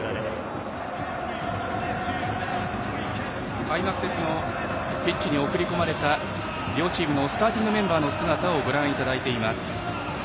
開幕節のピッチに送り込まれた両チームのスターティングメンバーの姿をご覧いただいています。